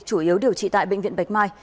chủ yếu điều trị tại bệnh viện bạch mai